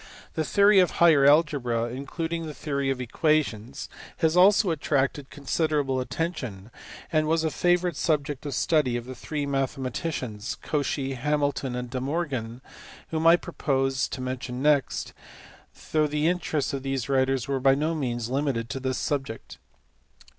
The theory of higher algebra (including the theory of equations) has also attracted considerable attention, and was a favourite subject of study of the three mathematicians, Cauchy, Hamilton, and De Morgan whom I propose to mention next though the interests of these writers were by no means limited to this subject.